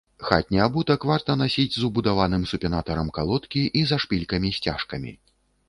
Хатні абутак варта насіць з убудаваным супінатарам калодкі і зашпількамі-сцяжкамі.